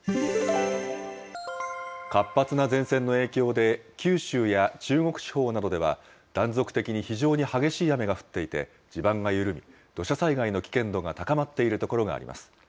活発な前線の影響で、九州や中国地方などでは断続的に非常に激しい雨が降っていて、地盤が緩み、土砂災害の危険度が高まっている所があります。